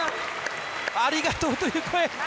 ありがとうという声。